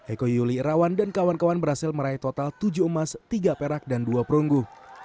eko yuli irawan dan kawan kawan berhasil meraih total tujuh emas tiga perak dan dua perunggu